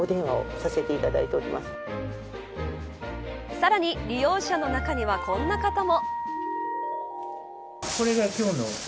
さらに利用者の中にはこんな方も。